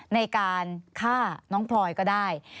ในการฆ่าน้องพลอยก็ได้